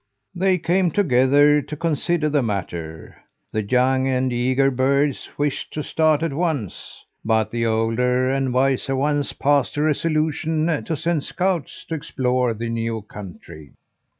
"They came together to consider the matter. The young and eager birds wished to start at once, but the older and wiser ones passed a resolution to send scouts to explore the new country.